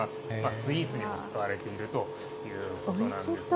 スイーツにも使われているということなんですね。